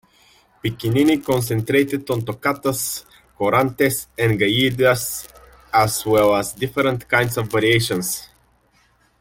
Piccinini concentrated on toccatas, courantes and galliards, as well as different kinds of variations.